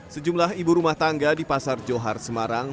sejumlah ibu rumah tangga di pasar johar semarang